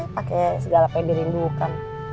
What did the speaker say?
pake segala apa yang dirindukan